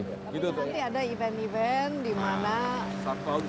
tapi sekarang ini ada event event di mana barang barang